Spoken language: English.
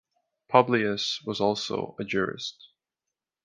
Publius was also a jurist.